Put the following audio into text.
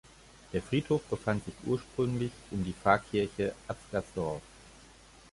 Der Friedhof befand sich ursprünglich um die Pfarrkirche Atzgersdorf.